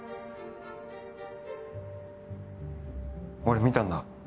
俺見たんだ